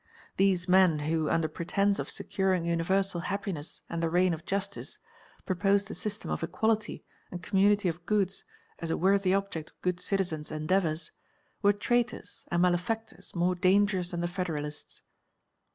These men who, under pretence of securing universal happiness and the reign of justice, proposed a system of equality and community of goods as a worthy object of good citizens' endeavours, were traitors and malefactors more dangerous than the Federalists.